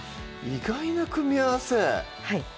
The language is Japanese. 意外な組み合わせ？